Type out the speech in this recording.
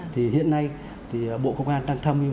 thì hiện nay thì bộ công an đang tham mưu